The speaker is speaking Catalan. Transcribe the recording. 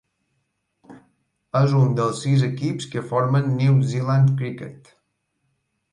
És un dels sis equips que formen New Zealand Cricket.